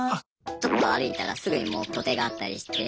ちょっと歩いたらすぐにもう土手があったりして。